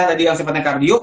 jadi yang sepatnya kardio